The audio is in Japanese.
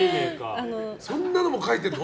そんなのも書いてるの？